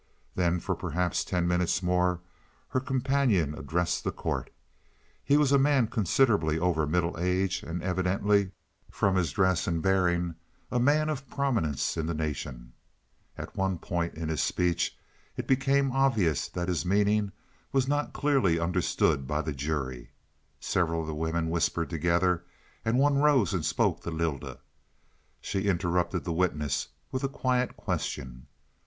Then for perhaps ten minutes more her companion addressed the court. He was a man considerably over middle age, and evidently, from his dress and bearing, a man of prominence in the nation. At one point in his speech it became obvious that his meaning was not clearly understood by the jury. Several of the women whispered together, and one rose and spoke to Lylda. She interrupted the witness with a quiet question.